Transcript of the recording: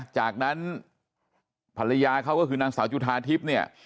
จากนั้นภรรยาเขาก็คือนางสาวจุธาทิพย์เนี่ย